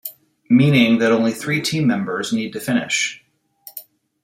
Meaning that only three team members need to finish.